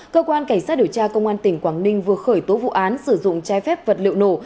cơ quan cảnh sát điều tra công an tỉnh quảng ninh vừa khởi tố vụ án sử dụng trái phép vật liệu nổ